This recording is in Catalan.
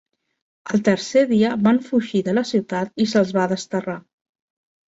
El tercer dia van fugir de la ciutat i se'ls va desterrar.